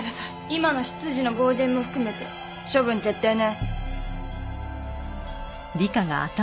今の執事の暴言も含めて処分決定ね。